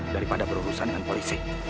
daripada berurusan dengan polisi